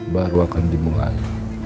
baru akan dimulai